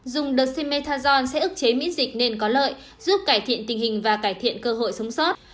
dùng đợt cmetajon sẽ ức chế miễn dịch nên có lợi giúp cải thiện tình hình và cải thiện cơ hội sống sót